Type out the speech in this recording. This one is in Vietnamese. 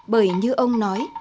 bởi như ông nói